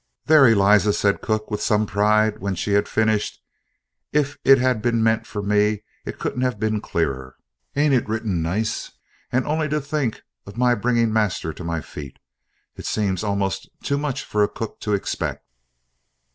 '" "There, Eliza!" said cook, with some pride, when she had finished; "if it had been meant for me it couldn't have been clearer. Ain't it written nice? And on'y to think of my bringing master to my feet! It seems almost too much for a cook to expect!"